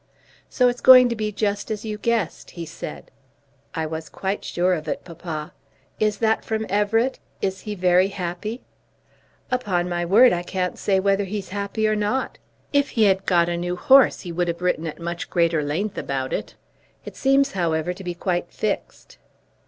"So it's going to be just as you guessed," he said. "I was quite sure of it, papa. Is that from Everett? Is he very happy?" "Upon my word, I can't say whether he's happy or not. If he had got a new horse he would have written at much greater length about it. It seems, however, to be quite fixed."